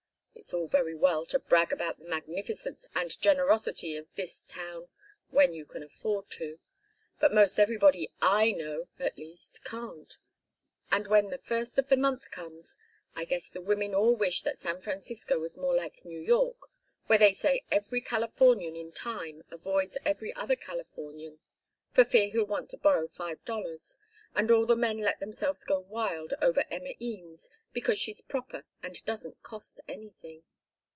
It's all very well to brag about the magnificence and generosity of this town when you can afford to. But most everybody I know, at least, can't, and when the first of the month comes, I guess the women all wish that San Francisco was more like New York, where they say every Californian in time avoids every other Californian for fear he'll want to borrow five dollars, and all the men let themselves go wild over Emma Eames because she's proper and doesn't cost anything.